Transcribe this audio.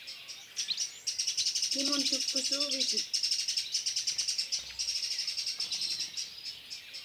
Kimun tukkusuuvisik?